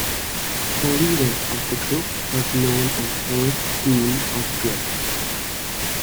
The leader of the group was known as Lord Dean of Guild.